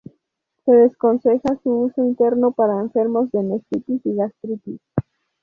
Se desaconseja su uso interno para enfermos de nefritis y gastritis.